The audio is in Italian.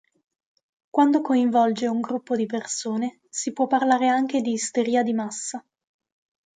Quando coinvolge un gruppo di persone si può parlare anche di isteria di massa.